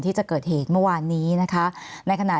มีความรู้สึกว่ามีความรู้สึกว่า